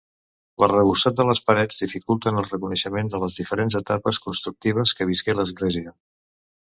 L'arrebossat de les parets dificulten el reconeixement de les diferents etapes constructives que visqué l'església.